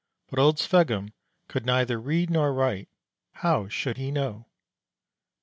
But old Sveggum could neither read nor write: how should he know?